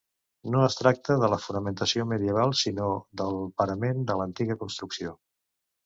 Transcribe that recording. No es tracta de la fonamentació medieval, sinó del parament de l'antiga construcció.